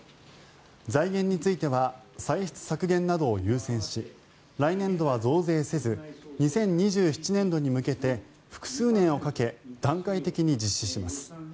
財源については歳出削減などを優先し来年度は増税せず２０２７年度に向けて複数年をかけ段階的に実施します。